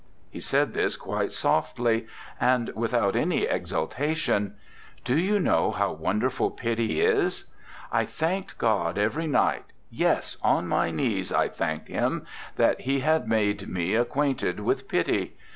He said this quite softly and without any 53 RECOLLECTIONS OF OSCAR WILDE exaltation. "Do you know how won derful pity is? I thanked God every night, yes, on my knees I thanked Him, that He had made me acquainted with pity.